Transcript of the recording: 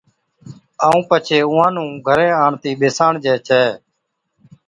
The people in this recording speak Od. ائُون پڇي اُونھان نُون گھرين آڻتِي ٻِساڻجي ڇَي